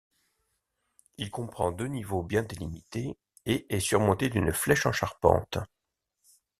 Il comprend deux niveaux bien délimités, et est surmonté d'une flèche en charpente.